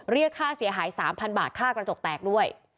เรียกค่าเสียหาย๓๐๐บาทค่ากระจกแตกด้วย